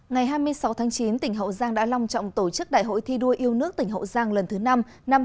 ngày hai mươi sáu tháng chín tỉnh hậu giang đã long trọng tổ chức đại hội thi đua yêu nước tỉnh hậu giang lần thứ năm năm hai nghìn hai mươi